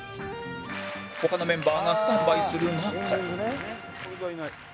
他のメンバーがスタンバイする中